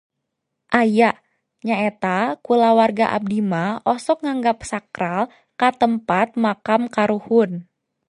Aya, nyaeta kulawarga abdimah osok nganggap sakral ka tempat makam karuhun